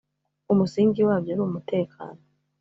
umusingi wabyo ari umutekano